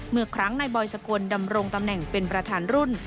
เมื่อครั้งนายบอยสกลดำรงตำแหน่งเป็นประธานรุ่น